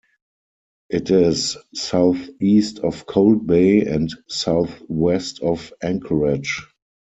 It is southeast of Cold Bay and southwest of Anchorage.